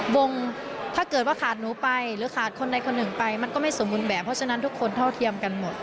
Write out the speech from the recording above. วงถ้าเกิดว่าขาดหนูไปหรือขาดคนใดคนหนึ่งไปมันก็ไม่สมบูรณ์แบบเพราะฉะนั้นทุกคนเท่าเทียมกันหมด